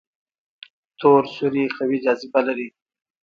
تور سوري قوي جاذبه لري.